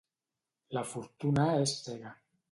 La Fortuna és cega.